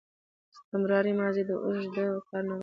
استمراري ماضي د اوږده کار نخښه ده.